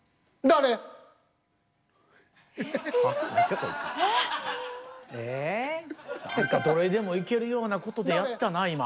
何かどれでもいけるような事でやったな今。